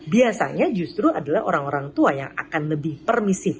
biasanya justru adalah orang orang tua yang akan lebih permisif